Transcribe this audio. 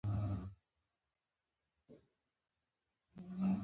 شازِلْمیان، اتڼ باز، سربازان، توره بازان ملګري!